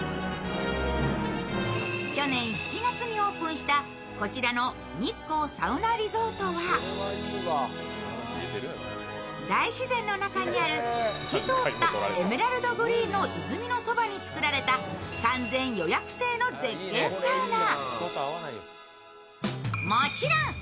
去年７月にオープンしたこちらの日光サウナリゾートは大自然の中にある透き通ったエメラルドグリーンの泉のそばに作られた完全予約制の絶景サウナ。